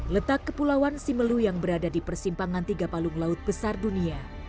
letak kepulauan simelu yang berada di persimpangan tiga palung laut besar dunia